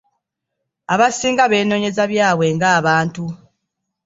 Abasinga beenonyeza byabwe ng'abantu.